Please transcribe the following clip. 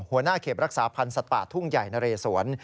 หัวหน้าเขตรักษาพันธ์สัตว์ป่าทุ่งใหญ่นะเรสวน